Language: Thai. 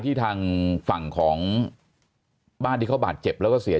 ทางฝั่งของบ้านที่เขาบาดเจ็บแล้วก็เสีย